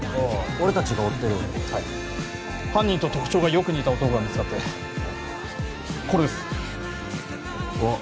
俺達が追ってるはい犯人と特徴がよく似た男が見つかってこれですわっ